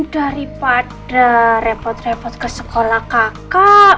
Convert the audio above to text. daripada repot repot ke sekolah kakak